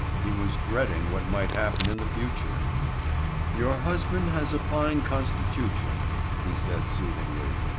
He was dreading what might happen in the future. "Your husband has a fine constitution," he said soothingly.